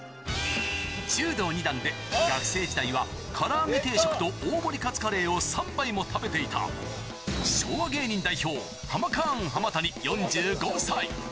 柔道２段で、学生時代はから揚げ定食と大盛りカツカレーを３倍も食べていた、昭和芸人代表、ハマカーン・浜谷４５歳。